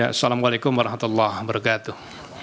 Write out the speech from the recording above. assalamu alaikum warahmatullahi wabarakatuh